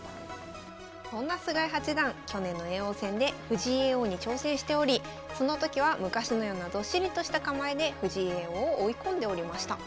そんな菅井八段去年の叡王戦で藤井叡王に挑戦しておりその時は昔のようなどっしりとした構えで藤井叡王を追い込んでおりました。